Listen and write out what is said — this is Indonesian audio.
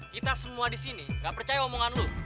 kita semua di sini gak percaya omongan lo